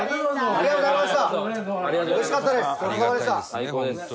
ありがとうございます！